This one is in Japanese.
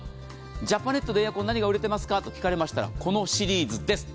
ジャパネットでエアコン何が売れていますかと聞かれたらこのシリーズです。